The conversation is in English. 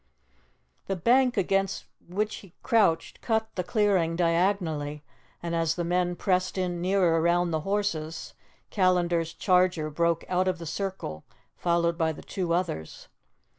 The bank against which he crouched cut the clearing diagonally, and as the men pressed in nearer round the horses, Callandar's charger broke out of the circle followed by the two others.